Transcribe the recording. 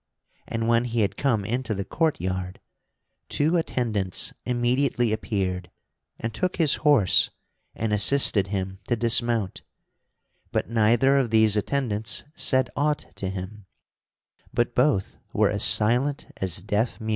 And when he had come into the courtyard, two attendants immediately appeared and took his horse and assisted him to dismount; but neither of these attendants said aught to him, but both were as silent as deaf mutes.